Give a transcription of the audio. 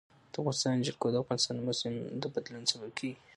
د افغانستان جلکو د افغانستان د موسم د بدلون سبب کېږي.